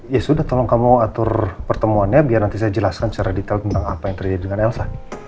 ya sudah tolong kamu atur pertemuannya biar nanti saya jelaskan secara detail tentang apa yang terjadi dengan elsa